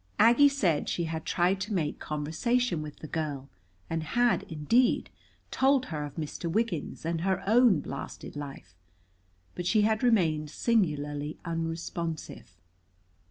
Aggie said she had tried to make conversation with the girl, and had, indeed, told her of Mr. Wiggins and her own blasted life. But she had remained singularly unresponsive.